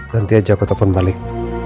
nanti aja aku telpon balik